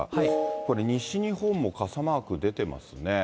これ、西日本も傘マーク出てますね。